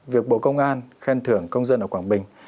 việc bộ công an khen thưởng công dân ở quảng bình